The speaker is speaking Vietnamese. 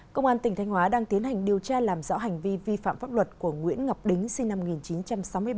công an tỉnh thanh hóa đang tiến hành điều tra làm rõ hành vi vi phạm pháp luật của nguyễn ngọc đính sinh năm một nghìn chín trăm sáu mươi ba